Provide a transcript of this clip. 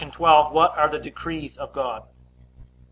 12. What are the decrees of God?